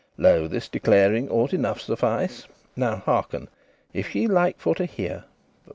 Lo, this declaring ought enough suffice. Now hearken, if ye like for to hear.